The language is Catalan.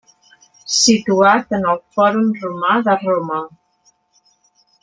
Situat en el Fòrum Romà de Roma.